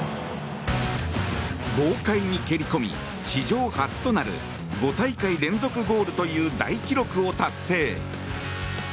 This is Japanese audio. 豪快に蹴り込み、史上初となる５大会連続ゴールという大記録を達成。